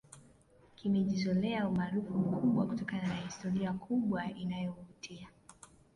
kimejizolea umaarufu mkubwa kutokana na historia kubwa inayovutia